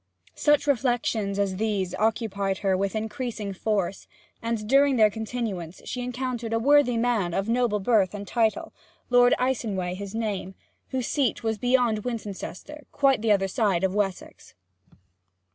Such grave reflections as these occupied her with increasing force; and during their continuance she encountered a worthy man of noble birth and title Lord Icenway his name whose seat was beyond Wintoncester, quite at t'other end of Wessex.